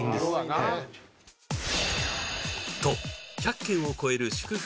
はいと１００件を超える祝福